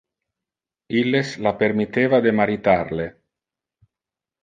Illes la permitteva de maritar le.